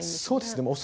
そうですね